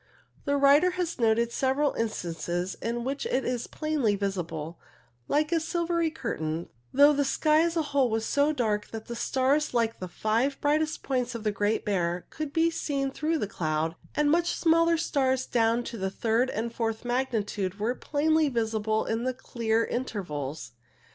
The writer has noted several instances in which it was plainly visible, like a silvery curtain, though the sky as a whole was so dark that stars like the five brightest points of the Great Bear could be seen through the cloud, and much smaller stars down to the third and fourth magnitude were plainly visible in the clear intervals.